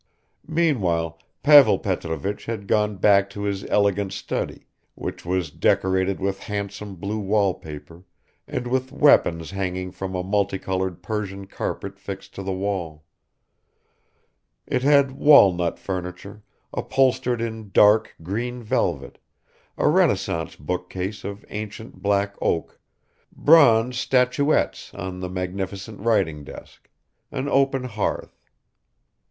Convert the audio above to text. Meanwhile Pavel Petrovich had gone back to his elegant study, which was decorated with handsome blue wallpaper, and with weapons hanging from a multicolored Persian carpet fixed to the wall; it had walnut furniture, upholstered in dark green velvet, a Renaissance bookcase of ancient black oak, bronze statuettes on the magnificent writing desk, an open hearth